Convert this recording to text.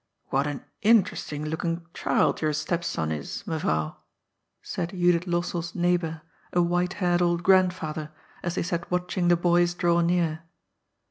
^What an interesting looking child your stepson is, Mevrouw !'' said Judith Lossell's neighbour, a white haired old grandfather, as they sat watching the boys draw near.